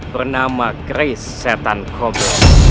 bernama chris setan kobo